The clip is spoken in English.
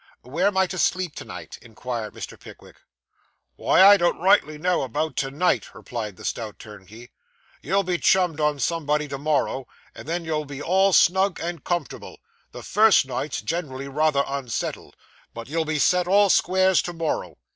'Where am I to sleep to night?' inquired Mr. Pickwick. 'Why, I don't rightly know about to night,' replied the stout turnkey. 'You'll be chummed on somebody to morrow, and then you'll be all snug and comfortable. The first night's generally rather unsettled, but you'll be set all squares to morrow.